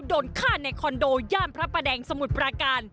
โดนฆ่าในคอนโดย่านพระประแดงสมุทรปราการ